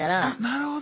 なるほど。